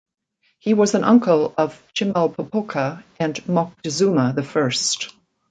He was an uncle of Chimalpopoca and Moctezuma the First.